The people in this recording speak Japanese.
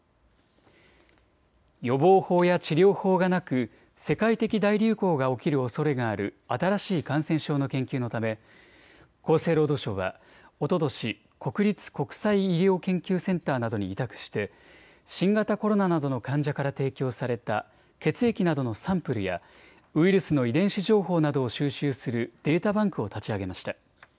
予防法や治療法がなく世界的大流行が起きるおそれがある新しい感染症の研究のため厚生労働省はおととし国立国際医療研究センターなどに委託して新型コロナなどの患者から提供された血液などのサンプルやウイルスの遺伝子情報などを収集するデータバンクを立ち上げました。